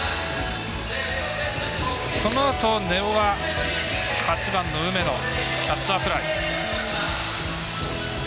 そのあと、根尾は８番の梅野キャッチャーフライ。